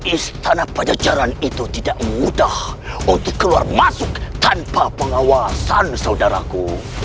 istana pajajaran itu tidak mudah untuk keluar masuk tanpa pengawasan saudaraku